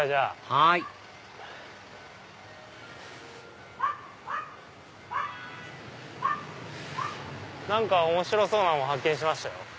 はい何か面白そうなもの発見しましたよ。